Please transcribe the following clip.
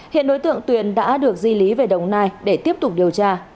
hiện đối tượng tuyền đã được di lý về đồng nai để tiếp tục điều tra